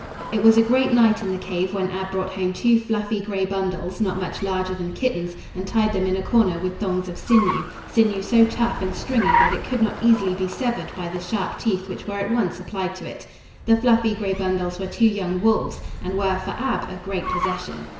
It was a great night in the cave when Ab brought home two fluffy gray bundles not much larger than kittens and tied them in a corner with thongs of sinew, sinew so tough and stringy that it could not easily be severed by the sharp teeth which were at once applied to it. The fluffy gray bundles were two young wolves, and were, for Ab, a great possession.